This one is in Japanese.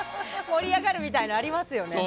盛り上がるみたいなのはありますよね。